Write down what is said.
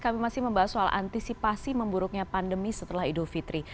kami masih membahas soal antisipasi memburuknya pandemi setelah idul fitri